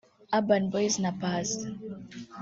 Urban Boyz na Paccy